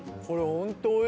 これ本当